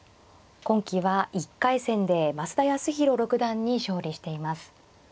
今期は１回戦で増田康宏六段に勝利しています。